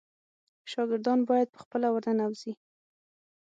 شاګردان باید په خپله ورننوزي.